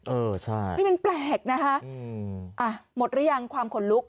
เออใช่นี่มันแปลกนะคะอ่ะหมดหรือยังความขนลุก